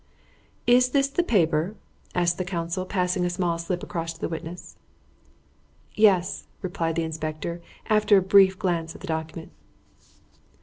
"Is this the paper?" asked the counsel, passing a small slip across to the witness. "Yes," replied the inspector, after a brief glance at the document.